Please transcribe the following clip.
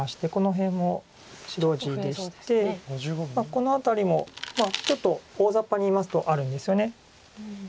この辺りもちょっと大ざっぱにいいますとあるんですよね。